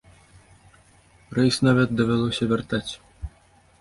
Рэйс нават давялося вяртаць.